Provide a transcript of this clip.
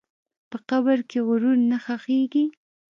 په قبر کې غرور نه ښخېږي.